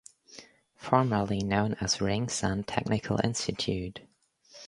Formerly known as Ringsend Technical Institute.